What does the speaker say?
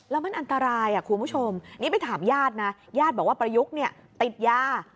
แล้วมันอันตรายคุณผู้ชมนี่ไปถามญาตินะญาติบอกว่าประยุกต์เนี่ยติดยา